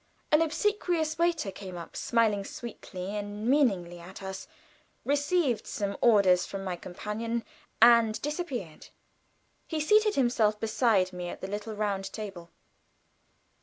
An obsequious waiter came up, smiled sweetly and meaningly at us, received some orders from my companion, and disappeared. He seated himself beside me at the little round table.